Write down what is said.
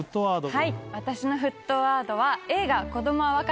はい私の沸騰ワードは映画。